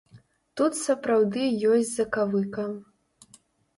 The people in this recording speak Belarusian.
Тут сапраўды ёсць закавыка.